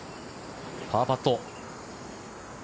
パーパット。